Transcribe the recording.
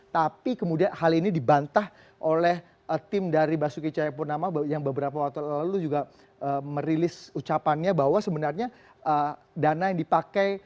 tapi kemudian hal ini dibantah oleh tim dari basuki cahayapurnama yang beberapa waktu lalu juga merilis ucapannya bahwa sebenarnya dana yang dipakai